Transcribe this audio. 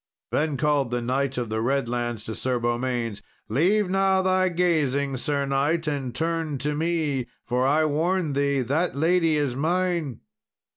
Then called the Knight of the Redlands to Sir Beaumains, "Leave now thy gazing, Sir knight, and turn to me, for I warn thee that lady is mine."